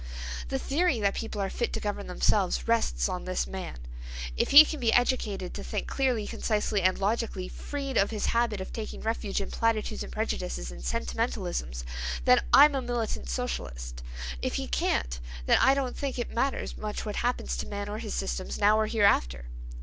"The theory that people are fit to govern themselves rests on this man. If he can be educated to think clearly, concisely, and logically, freed of his habit of taking refuge in platitudes and prejudices and sentimentalisms, then I'm a militant Socialist. If he can't, then I don't think it matters much what happens to man or his systems, now or hereafter."